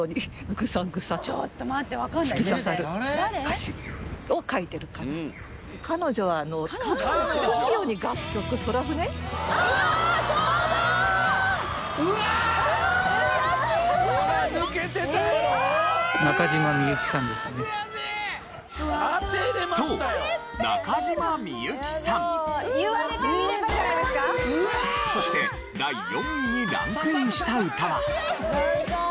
そして第４位にランクインした歌は。